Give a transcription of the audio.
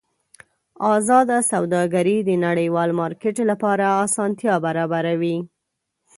ازاده سوداګري د نړیوال مارکېټ لپاره اسانتیا برابروي.